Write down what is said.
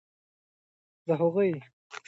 د هغوی راتلونکی په امن کې وساتئ.